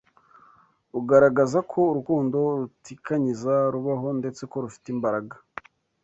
ugaragaza ko urukundo rutikanyiza rubaho ndetse ko rufite imbaraga.